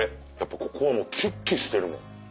ここがキュッキュしてるもん。